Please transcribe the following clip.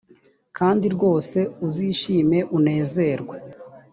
kandi rwose uzishime unezerwe